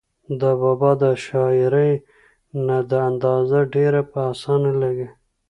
د بابا د شاعرۍ نه دا اندازه ډېره پۀ اسانه لګي